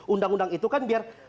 undang undang itu kan biar